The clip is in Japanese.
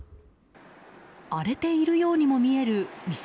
荒れているようにも見える店